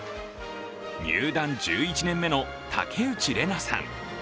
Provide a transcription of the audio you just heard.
入団１１年目の、竹内玲奈さん。